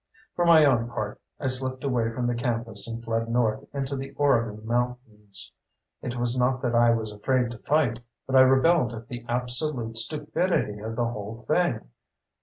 For my own part, I slipped away from the campus and fled north into the Oregon mountains. It was not that I was afraid to fight, but I rebelled at the absolute stupidity of the whole thing.